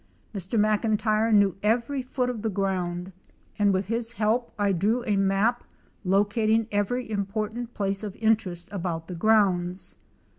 Mr. Mclntyre knew every foot of the ground and with his help I drew a map locating every important — 17H, 258 place of interest about the grounds.